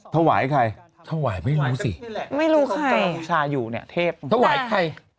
ถวายใครถวายไม่รู้สิไม่รู้ใครบูชาอยู่เนี่ยเทพถวายใคร